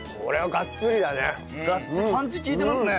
ガッツリパンチ効いてますね。